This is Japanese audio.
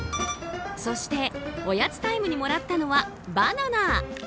そして、おやつタイムにもらったのはバナナ。